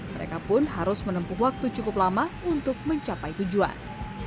mereka pun harus menempuh waktu cukup lama untuk mencapai tujuan